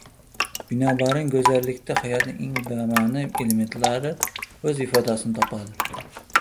Binobarin go‘zallikda hayotning eng bama’ni elementlari o‘z ifodasini topadi